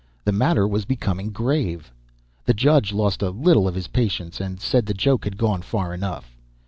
The matter was becoming grave. The judge lost a little of his patience, and said the joke had gone far enough.